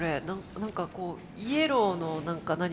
何かこうイエローの何か。